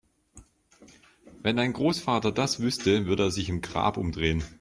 Wenn dein Großvater das wüsste, würde er sich im Grab umdrehen!